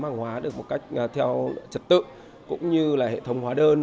hàng hóa được một cách theo trật tự cũng như là hệ thống hóa đơn